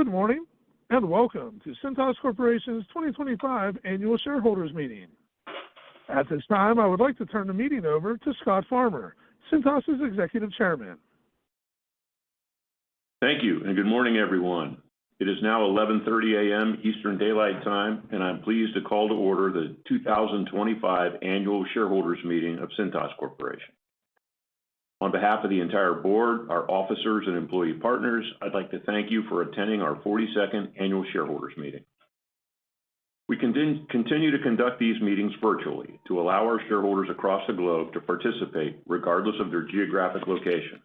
Good morning and welcome to Cintas Corporation's 2025 Annual Shareholders Meeting. At this time, I would like to turn the meeting over to Scott Farmer, Cintas's Executive Chairman. Thank you and good morning, everyone. It is now 11:30 A.M. Eastern Daylight Time, and I'm pleased to call to order the 2025 Annual Shareholders Meeting of Cintas Corporation. On behalf of the entire board, our officers, and employee partners, I'd like to thank you for attending our 42nd Annual Shareholders Meeting. We continue to conduct these meetings virtually to allow our shareholders across the globe to participate regardless of their geographic location.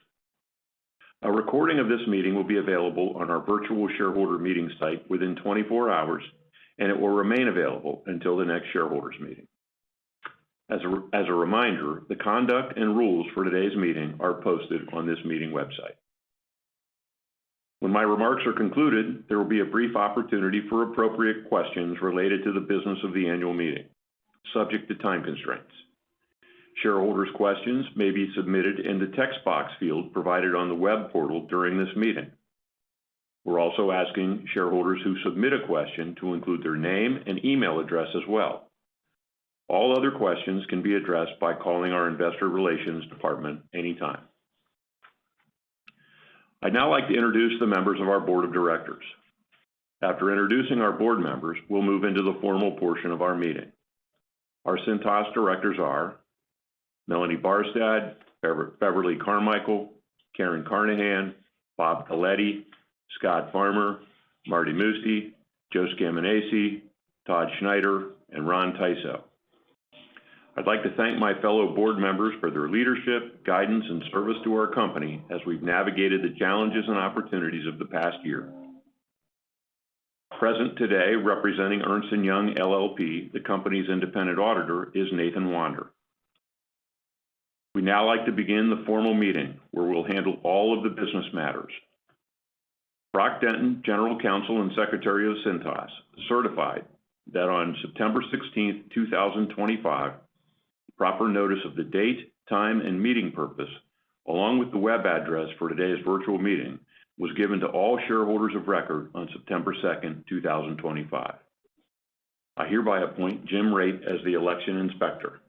A recording of this meeting will be available on our virtual shareholder meeting site within 24 hours, and it will remain available until the next shareholders meeting. As a reminder, the conduct and rules for today's meeting are posted on this meeting website. When my remarks are concluded, there will be a brief opportunity for appropriate questions related to the business of the annual meeting, subject to time constraints. Shareholders' questions may be submitted in the text box field provided on the web portal during this meeting. We're also asking shareholders who submit a question to include their name and email address as well. All other questions can be addressed by calling our Investor Relations Department anytime. I'd now like to introduce the members of our Board of Directors. After introducing our board members, we'll move into the formal portion of our meeting. Our Cintas directors are Melanie Barstad, Beverly Carmichael, Karen Carnahan, Bob Coletti, Scott Farmer, Marty Mucci, Joe Scaminace, Todd Schneider, and Ron Tysoe. I'd like to thank my fellow board members for their leadership, guidance, and service to our company as we've navigated the challenges and opportunities of the past year. Present today representing Ernst & Young LLP, the company's independent auditor, is Nathan Wander. We now like to begin the formal meeting where we'll handle all of the business matters. Brock Denton, General Counsel and Secretary of Cintas, certified that on September 16th, 2025, proper notice of the date, time, and meeting purpose, along with the web address for today's virtual meeting, was given to all shareholders of record on September 2nd, 2025. I hereby appoint Jim Rozelle as the election inspector.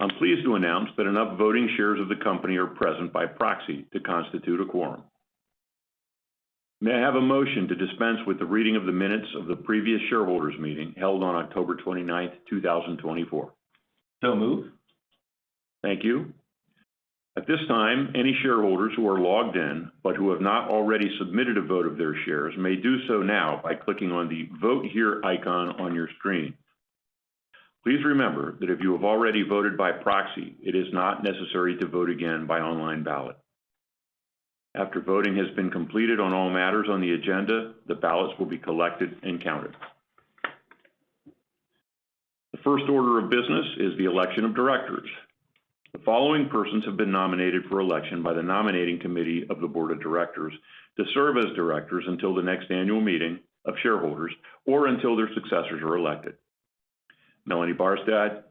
I'm pleased to announce that enough voting shares of the company are present by proxy to constitute a quorum. May I have a motion to dispense with the reading of the minutes of the previous shareholders meeting held on October 29th, 2024? So moved. Thank you. At this time, any shareholders who are logged in but who have not already submitted a vote of their shares may do so now by clicking on the Vote Here icon on your screen. Please remember that if you have already voted by proxy, it is not necessary to vote again by online ballot. After voting has been completed on all matters on the agenda, the ballots will be collected and counted. The first order of business is the election of directors. The following persons have been nominated for election by the Nominating Committee of the Board of Directors to serve as directors until the next annual meeting of shareholders or until their successors are elected: Melanie Barstad,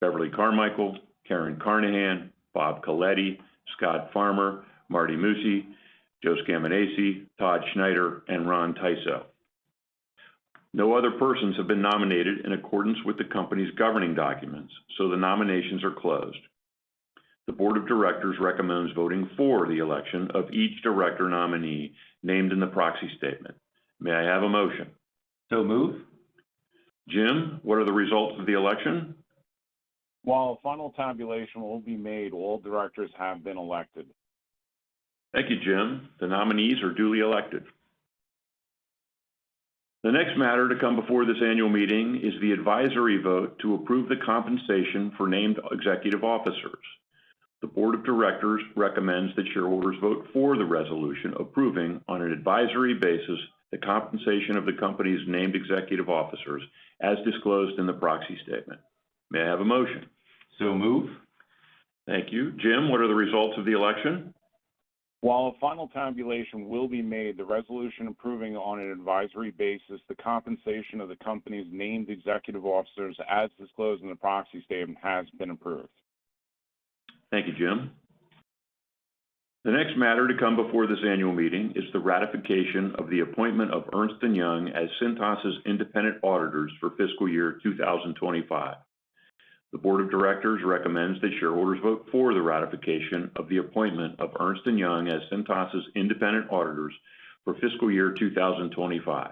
Beverly Carmichael, Karen Carnahan, Bob Coletti, Scott Farmer, Marty Mucci, Joe Scaminace, Todd Schneider, and Ron Tysoe. No other persons have been nominated in accordance with the company's governing documents, so the nominations are closed. The Board of Directors recommends voting for the election of each director nominee named in the proxy statement. May I have a motion? So moved. Jim, what are the results of the election? While a final tabulation will be made, all directors have been elected. Thank you, Jim. The nominees are duly elected. The next matter to come before this annual meeting is the advisory vote to approve the compensation for named executive officers. The Board of Directors recommends that shareholders vote for the resolution approving on an advisory basis the compensation of the company's named executive officers as disclosed in the proxy statement. May I have a motion? So moved. Thank you. Jim, what are the results of the election? While a final tabulation will be made, the resolution approving on an advisory basis the compensation of the company's named executive officers as disclosed in the proxy statement has been approved. Thank you, Jim. The next matter to come before this annual meeting is the ratification of the appointment of Ernst & Young as Cintas's independent auditors for fiscal year 2025. The Board of Directors recommends that shareholders vote for the ratification of the appointment of Ernst & Young as Cintas's independent auditors for fiscal year 2025.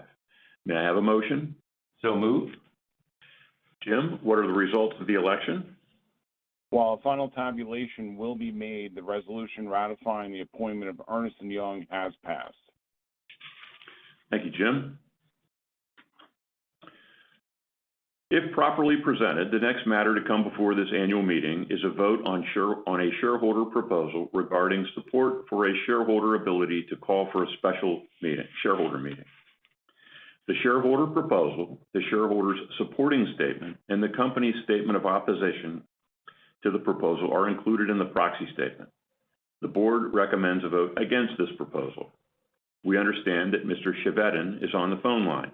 May I have a motion? So moved. Jim, what are the results of the election? While a final tabulation will be made, the resolution ratifying the appointment of Ernst & Young has passed. Thank you, Jim. If properly presented, the next matter to come before this annual meeting is a vote on a shareholder proposal regarding support for a shareholder ability to call for a special shareholder meeting. The shareholder proposal, the shareholders' supporting statement, and the company's statement of opposition to the proposal are included in the proxy statement. The board recommends a vote against this proposal. We understand that Mr. Chevedden is on the phone line.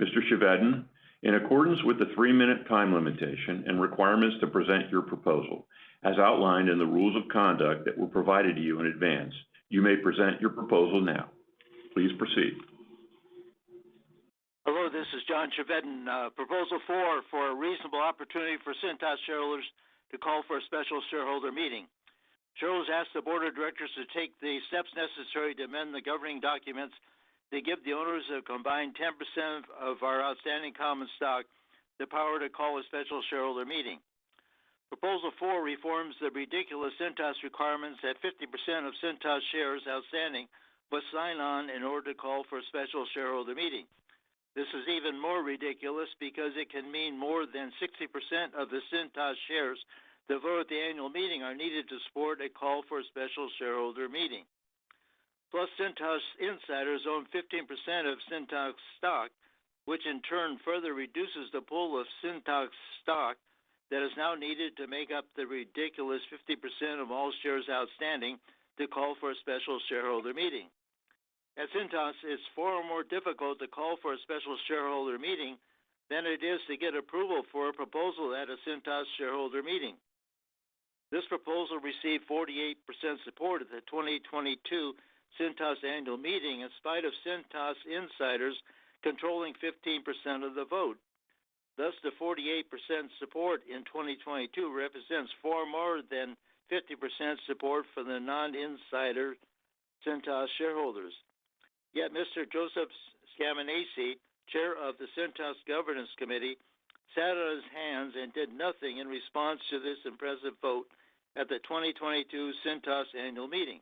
Mr. Chevedden, in accordance with the three-minute time limitation and requirements to present your proposal, as outlined in the Rules of Conduct that were provided to you in advance, you may present your proposal now. Please proceed. Hello, this is John Chevedden. Proposal four for a reasonable opportunity for Cintas shareholders to call for a special shareholder meeting. Shareholders ask the board of directors to take the steps necessary to amend the governing documents to give the owners of combined 10% of our outstanding common stock the power to call a special shareholder meeting. Proposal four reforms the ridiculous Cintas requirements that 50% of Cintas shares outstanding must sign on in order to call for a special shareholder meeting. This is even more ridiculous because it can mean more than 60% of the Cintas shares to vote at the annual meeting are needed to support a call for a special shareholder meeting. Plus, Cintas insiders own 15% of Cintas stock, which in turn further reduces the pool of Cintas stock that is now needed to make up the ridiculous 50% of all shares outstanding to call for a special shareholder meeting. At Cintas, it's far more difficult to call for a special shareholder meeting than it is to get approval for a proposal at a Cintas shareholder meeting. This proposal received 48% support at the 2022 Cintas annual meeting in spite of Cintas insiders controlling 15% of the vote. Thus, the 48% support in 2022 represents far more than 50% support for the non-insider Cintas shareholders. Yet, Mr. Joseph Scaminace, Chair of the Cintas Governance Committee, sat on his hands and did nothing in response to this impressive vote at the 2022 Cintas annual meeting.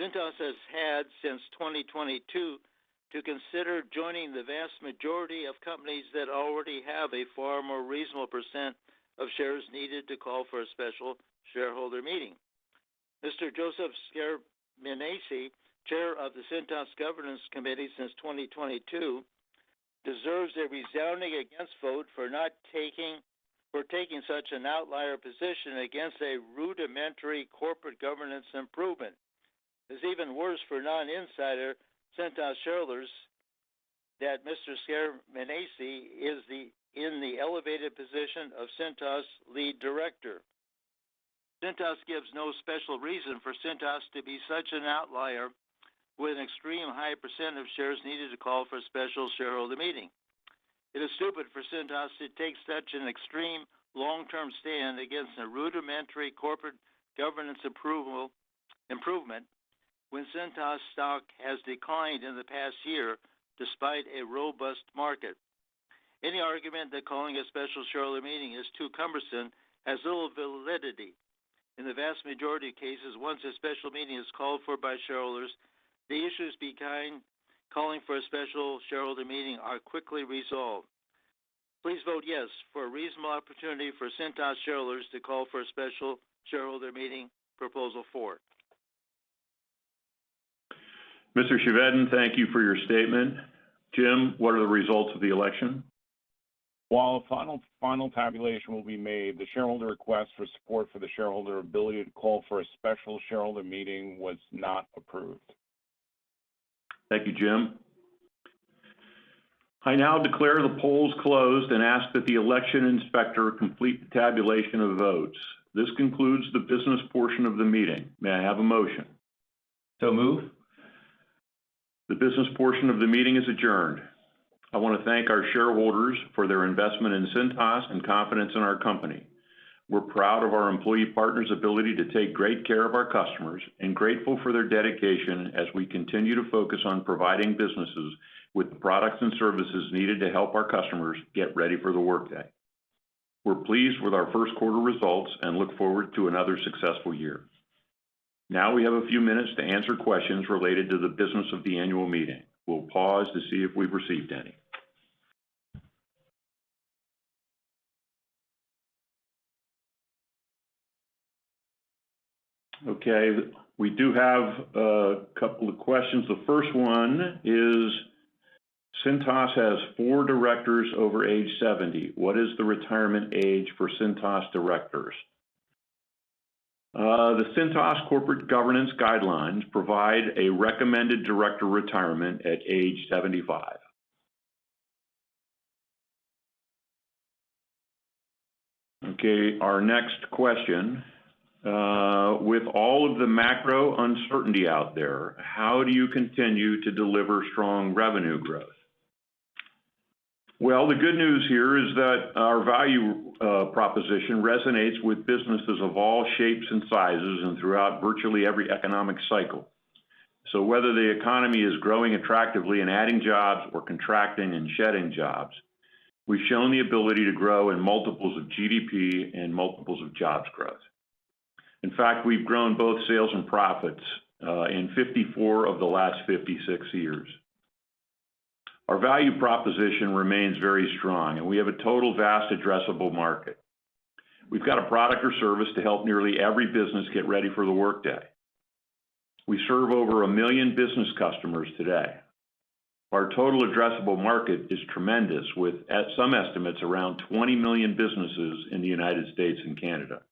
Cintas has had since 2022 to consider joining the vast majority of companies that already have a far more reasonable percent of shares needed to call for a special shareholder meeting. Mr. Joseph Scaminace, Chair of the Cintas Governance Committee since 2022, deserves a resounding against vote for taking such an outlier position against a rudimentary corporate governance improvement. It's even worse for non-insider Cintas shareholders that Mr. Scaminace is in the elevated position of Cintas Lead Director. Cintas gives no special reason for Cintas to be such an outlier with an extreme high percent of shares needed to call for a special shareholder meeting. It is stupid for Cintas to take such an extreme long-term stand against a rudimentary corporate governance improvement when Cintas stock has declined in the past year despite a robust market. Any argument that calling a special shareholder meeting is too cumbersome has little validity. In the vast majority of cases, once a special meeting is called for by shareholders, the issues behind calling for a special shareholder meeting are quickly resolved. Please vote yes for a reasonable opportunity for Cintas shareholders to call for a special shareholder meeting proposal four. Mr. Chevedden, thank you for your statement. Jim, what are the results of the election? While a final tabulation will be made, the shareholder request for support for the shareholder ability to call for a special shareholder meeting was not approved. Thank you, Jim. I now declare the polls closed and ask that the election inspector complete the tabulation of votes. This concludes the business portion of the meeting. May I have a motion? So moved. The business portion of the meeting is adjourned. I want to thank our shareholders for their investment in Cintas and confidence in our company. We're proud of our employee partners' ability to take great care of our customers and grateful for their dedication as we continue to focus on providing businesses with the products and services needed to help our customers get ready for the workday. We're pleased with our first quarter results and look forward to another successful year. Now we have a few minutes to answer questions related to the business of the annual meeting. We'll pause to see if we've received any. Okay. We do have a couple of questions. The first one is Cintas has four directors over age 70. What is the retirement age for Cintas directors? The Cintas Corporate Governance Guidelines provide a recommended director retirement at age 75. Okay. Our next question: With all of the macro uncertainty out there, how do you continue to deliver strong revenue growth? Well, the good news here is that our value proposition resonates with businesses of all shapes and sizes and throughout virtually every economic cycle. So whether the economy is growing attractively and adding jobs or contracting and shedding jobs, we've shown the ability to grow in multiples of GDP and multiples of jobs growth. In fact, we've grown both sales and profits in 54 of the last 56 years. Our value proposition remains very strong, and we have a total vast addressable market. We've got a product or service to help nearly every business get ready for the workday. We serve over a million business customers today. Our total addressable market is tremendous, with some estimates around 20 million businesses in the United States and Canada.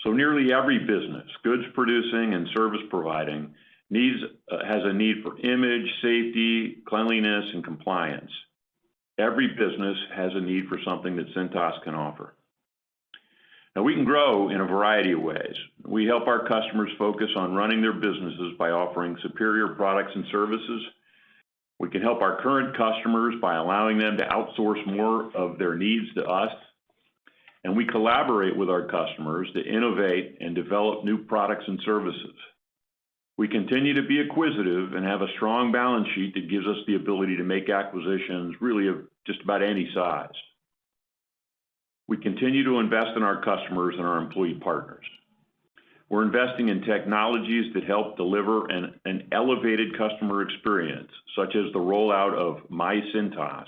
So nearly every business, goods producing and service providing, has a need for image, safety, cleanliness, and compliance. Every business has a need for something that Cintas can offer. Now, we can grow in a variety of ways. We help our customers focus on running their businesses by offering superior products and services. We can help our current customers by allowing them to outsource more of their needs to us. And we collaborate with our customers to innovate and develop new products and services. We continue to be acquisitive and have a strong balance sheet that gives us the ability to make acquisitions really of just about any size. We continue to invest in our customers and our employee partners. We're investing in technologies that help deliver an elevated customer experience, such as the rollout of MyCintas,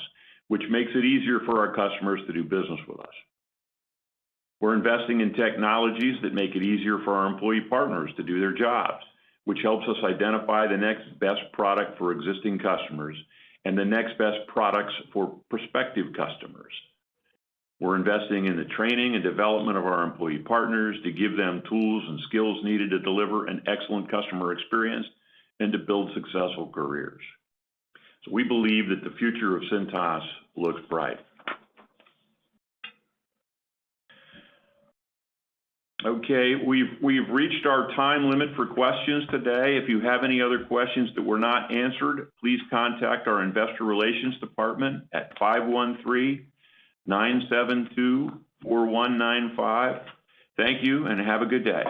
which makes it easier for our customers to do business with us. We're investing in technologies that make it easier for our employee partners to do their jobs, which helps us identify the next best product for existing customers and the next best products for prospective customers. We're investing in the training and development of our employee partners to give them tools and skills needed to deliver an excellent customer experience and to build successful careers. So we believe that the future of Cintas looks bright. Okay. We've reached our time limit for questions today. If you have any other questions that were not answered, please contact our Investor Relations Department at 513-972-4195. Thank you, and have a good day.